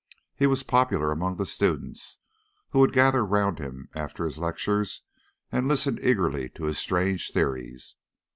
He was popular among the students, who would gather round him after his lectures and listen eagerly to his strange theories.